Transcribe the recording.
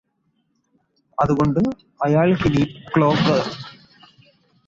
അതുകൊണ്ട് അയാള്ക്കിനി ക്ലോക്ക്